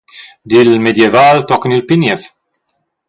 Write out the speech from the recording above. Dil medieval tochen il pli niev.